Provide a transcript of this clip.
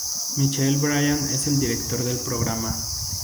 Michael Bryan es el director del programa.